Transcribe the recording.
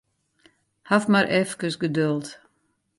Haw mar efkes geduld.